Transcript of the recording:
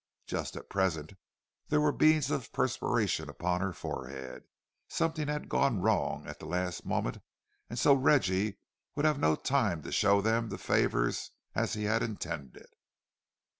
Just at present there were beads of perspiration upon her forehead; something had gone wrong at the last moment, and so Reggie would have no time to show them the favours, as he had intended.